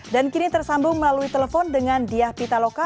kini tersambung melalui telepon dengan diah pitaloka